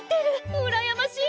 うらやましい！